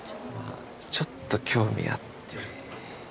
ちょっと興味あって。